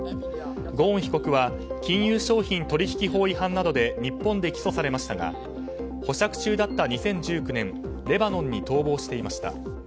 ゴーン被告は金融商品取引法違反などで日本で起訴されましたが保釈中だった２０１９年レバノンに逃亡していました。